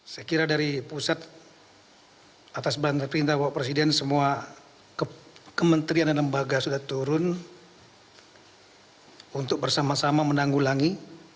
saya kira dari pusat atas perintah bapak presiden semua kementerian dan lembaga sudah turun untuk bersama sama menanggulangi